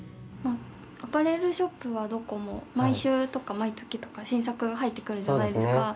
アパレルショップはどこも毎週とか毎月とか新作が入ってくるじゃないですか。